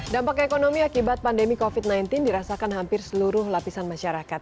dampak ekonomi akibat pandemi covid sembilan belas dirasakan hampir seluruh lapisan masyarakat